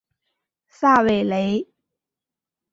萨韦雷。